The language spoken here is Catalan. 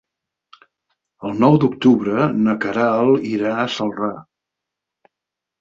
El nou d'octubre na Queralt irà a Celrà.